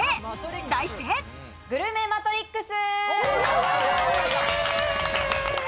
題して、グルメマトリックス！